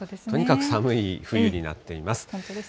とにかく寒い冬になっています。